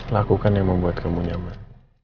lakukan yang membuat kamu nyaman